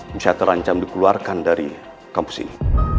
indonesia terancam dikeluarkan dari kampus ini